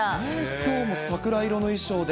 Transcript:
きょうも桜色の衣装で。